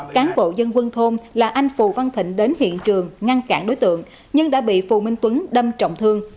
cán bộ dân quân thôn là anh phù văn thịnh đến hiện trường ngăn cản đối tượng nhưng đã bị phù minh tuấn đâm trọng thương